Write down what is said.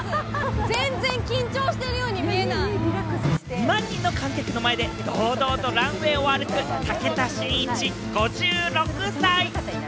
２万人の観客の前で堂々とランウェイを歩く武田真一、５６歳。